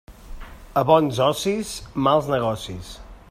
A bons ocis, mals negocis.